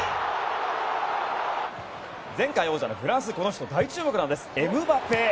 前回王者のフランスこの人、大注目なんですエムバペ！